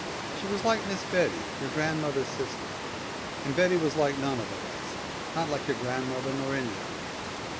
She was like Miss Betty, your grandmother's sister, and Betty was like none of the rest, not like your grandmother, nor any of them.